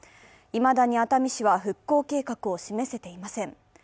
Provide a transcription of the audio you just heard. いまだに熱海市は復興計画を示せていません。